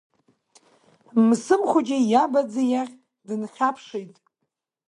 Мсым Хәыҷы иабаӡӡеи иахь дынхьаԥшит.